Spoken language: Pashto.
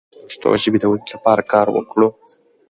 د پښتو ژبې د ودې لپاره کار وکړو.